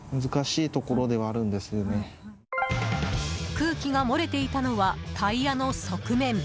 空気が漏れていたのはタイヤの側面。